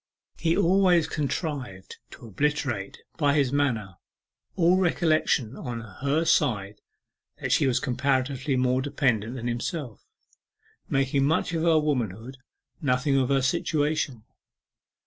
He always contrived to obliterate by his manner all recollection on her side that she was comparatively more dependent than himself making much of her womanhood, nothing of her situation.